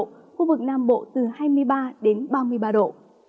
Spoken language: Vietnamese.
khu vực nam bộ từ hai mươi ba đến ba mươi ba độ